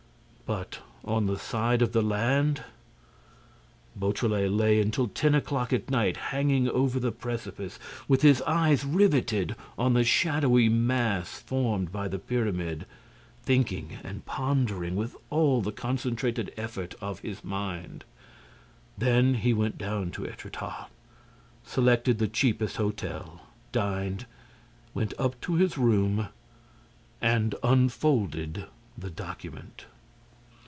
But on the side of the land? Beautrelet lay until ten o'clock at night hanging over the precipice, with his eyes riveted on the shadowy mass formed by the pyramid, thinking and pondering with all the concentrated effort of his mind. Then he went down to Étretat, selected the cheapest hotel, dined, went up to his room and unfolded the document.